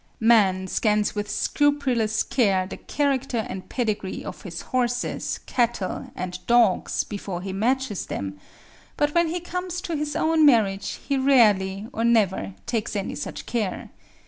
Man scans with scrupulous care the character and pedigree of his horses, cattle, and dogs before he matches them; but when he comes to his own marriage he rarely, or never, takes any such care.